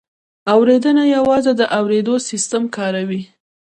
اورېدنه یوازې د اورېدو سیستم کاروي